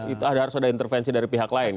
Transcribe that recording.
itu harus ada intervensi dari pihak lain